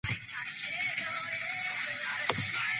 We know nothing can erase the pain of losing their daughter.